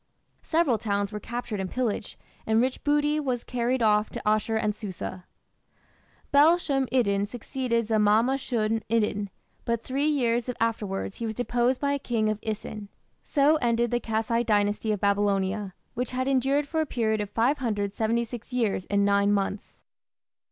Several towns were captured and pillaged, and rich booty was carried off to Asshur and Susa. Bel shum iddin succeeded Zamama shum iddin, but three years afterwards he was deposed by a king of Isin. So ended the Kassite Dynasty of Babylonia, which had endured for a period of 576 years and nine months.